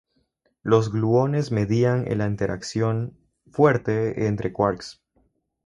Los gluones median en la interacción fuerte entre quarks.